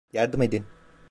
Yardım edin.